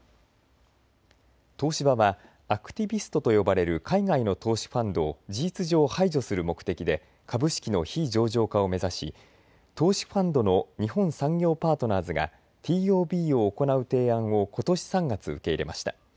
東芝はアクティビストと呼ばれる海外の投資ファンドを事実上排除する目的で株式の非上場化を目指し投資ファンドの日本産業パートナーズがＴＯＢを行う提案をことし３月、受け入れました。